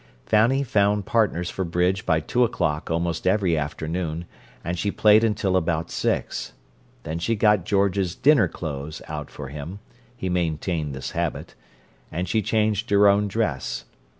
Fanny found partners for bridge by two o'clock almost every afternoon, and she played until about six. Then she got George's "dinner clothes" out for him—he maintained this habit—and she changed her own dress.